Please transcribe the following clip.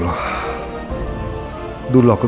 ambil yang ini